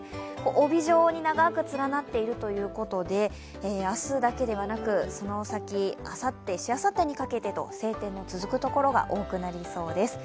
帯状に長く連なっているということで明日だけではなく、その先、あさって、しあさってにかけてと晴天の続く所が多くなりそうです。